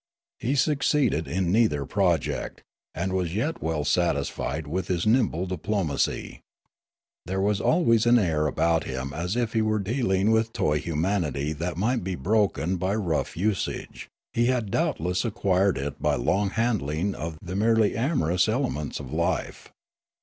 He succeeded in neither project, and was yet well satisfied with his nimble diplomacy. There was always an air about him as if he were dealing with toy humanity that might be broken by rough usage ; he had doubtless acquired it by long handling of the merely amorous elements of life.